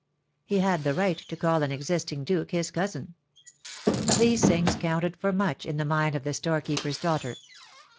He had the right to call an existing duke his cousin. These things counted for much in the mind of the storekeeper's daughter.